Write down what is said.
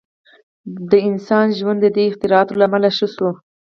• د انسان ژوند د دې اختراعاتو له امله ښه شو.